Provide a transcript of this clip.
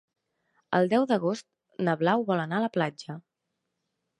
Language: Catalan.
El deu d'agost na Blau vol anar a la platja.